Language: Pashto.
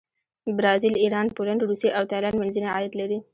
برازیل، ایران، پولینډ، روسیه او تایلنډ منځني عاید لري.